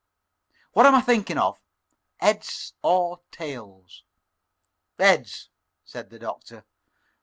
What am I thinking of, heads or tails?" "Heads," said the Doctor.